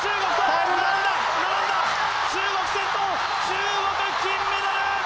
中国、金メダル！